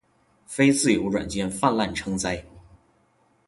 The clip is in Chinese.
非自由软件泛滥成灾